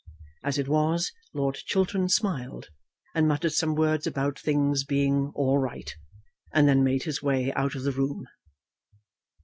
As it was, Lord Chiltern smiled, and muttered some word about things being "all right," and then made his way out of the room.